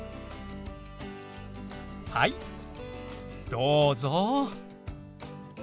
はいどうぞ。